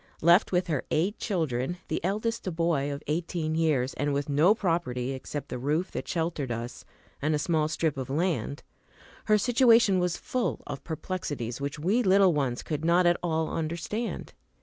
Left with her eight children, the eldest a boy of eighteen years, and with no property except the roof that sheltered us and a small strip of land, her situation was full of perplexities which we little ones could not at all understand.